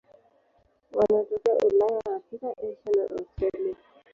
Wanatokea Ulaya, Afrika, Asia na Australia.